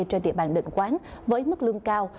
trên địa bàn định quán với mức lương cao